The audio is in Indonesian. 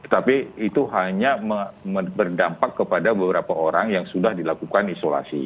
tapi itu hanya berdampak kepada beberapa orang yang sudah dilakukan isolasi